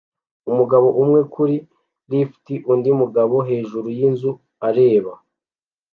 Umugabo umwe kuri lift undi mugabo hejuru yinzu areba